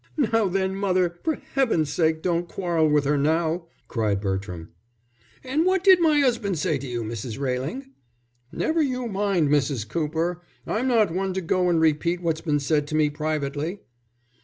"Now then, mother, for Heaven's sake don't quarrel with her now," cried Bertram. "And what did my 'usband say to you, Mrs. Railing?" "Never you mind, Mrs. Cooper; I'm not one to go and repeat what's been said to me privately."